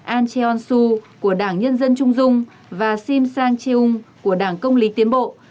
ahn cheon su của đảng nhân dân trung dung và sim sang cheung của đảng công lý tiến bộ